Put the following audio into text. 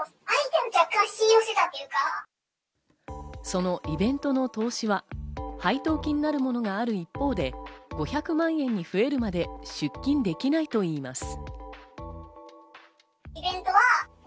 そのイベントの投資は配当金なるものがある一方で、５００万円に増えるまで出金できないといいます。